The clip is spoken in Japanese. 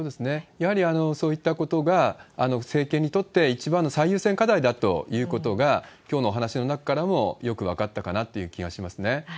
やはりそういったことが政権にとって一番の最優先課題だということが、きょうのお話の中からもよく分かったかなという気がしますね。